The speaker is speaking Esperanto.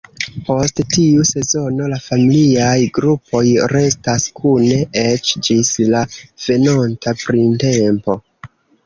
Post tiu sezono la familiaj grupoj restas kune eĉ ĝis la venonta printempo.